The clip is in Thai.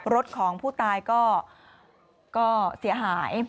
รถของผู้ตายก็เสียหาย